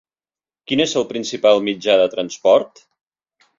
Quin és el principal mitjà de transport?